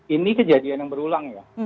ini kejadian yang berulang ya